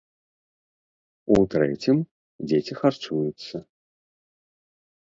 У трэцім дзеці харчуюцца.